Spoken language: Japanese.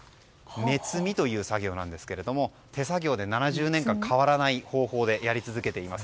目摘みというものですが手作業で７０年間変わらない方法でやり続けています。